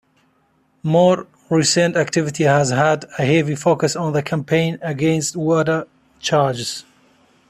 More recent activity has had a heavy focus on the campaign against water charges.